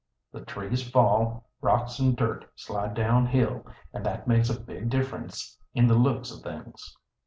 The trees fall, rocks and dirt slide down hill, and that makes a big difference in the looks o' things."